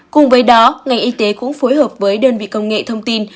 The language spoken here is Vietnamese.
cùng với đó ngành y tế cũng phối hợp với đơn vị công nghệ thông tin